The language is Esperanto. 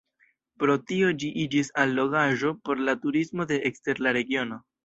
Pro tio ĝi iĝis allogaĵo por la turismo de ekster la regiono.